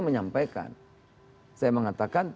menyampaikan saya mengatakan